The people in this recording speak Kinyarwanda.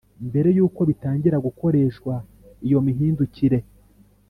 Mbere yuko bitangira gukoreshwa iyo mihindukire